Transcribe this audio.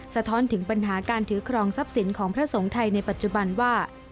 สะท้อนถึงปัญหาการถือครองทรัพย์สินของพระสงฆ์ไทยในปัจจุบันว่า